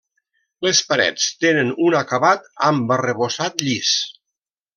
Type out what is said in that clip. Les parets tenen un acabat amb arrebossat llis.